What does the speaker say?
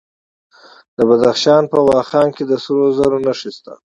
د بدخشان په واخان کې د سرو زرو نښې شته.